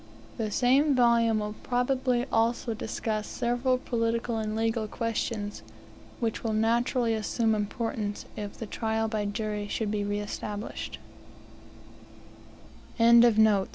The same volume will probably also discuss several political and legal questions, which will naturally assume importance if the trial by jury should be reest